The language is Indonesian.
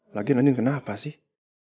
lagian andin kenapa sih